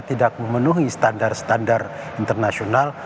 tidak memenuhi standar standar internasional